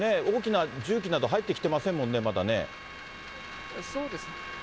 大きな重機など入ってきてませんもんね、まだね。